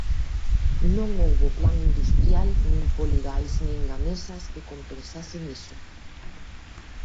Non houbo plan industrial nin Poligais nin Gamesas que compensasen iso.